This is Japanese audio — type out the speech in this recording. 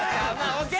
ＯＫ！